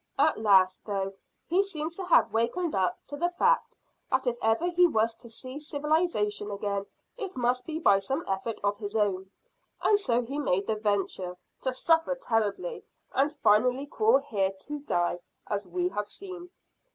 At last, though, he seems to have wakened up to the fact that if ever he was to see civilisation again it must be by some effort of his own, and so he made the venture, to suffer terribly, and finally crawl here to die, as we have seen."